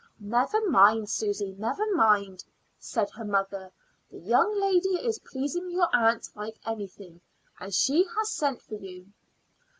"Never mind, Susy; never mind," said her mother. "The young lady is pleasing your aunt like anything, and she has sent for you."